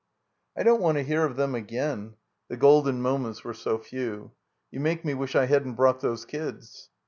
"I don't want to hear of them again" (the golden moments were so few). "You make me wish I hadn't brought those kids."